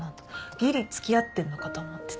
ギリ付き合ってんのかと思ってた。